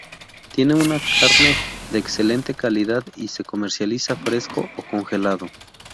Tiene una carne de excelente calidad y se comercializa fresco o congelado.